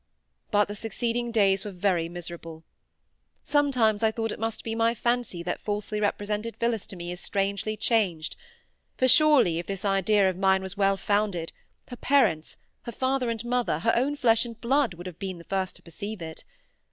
But the succeeding days were very miserable. Sometimes I thought it must be my fancy that falsely represented Phillis to me as strangely changed, for surely, if this idea of mine was well founded, her parents—her father and mother—her own flesh and blood—would have been the first to perceive it.